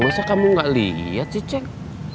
masa kamu gak liat sih ceng